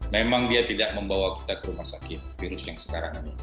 memang dia tidak membawa kita ke rumah sakit virus yang sekarang ini